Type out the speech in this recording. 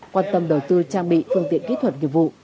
quan tâm đầu tư trang bị phương tiện kỹ thuật nghiệp vụ